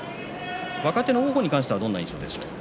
若手の王鵬に関してはどういう印象でしょう？